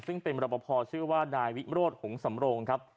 ซึ่งเป็นรบพอชื่อว่านายวิโรธหงสำโรงครับ